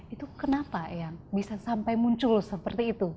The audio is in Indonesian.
itu kenapa eyang bisa sampai muncul seperti itu